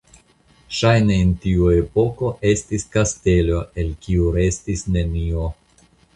Ŝajne en tiu epoko estis kastelo el kiu restis nenio.